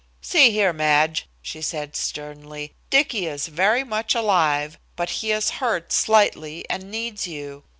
"See here, Madge," she said sternly, "Dicky is very much alive, but he is hurt slightly and needs you.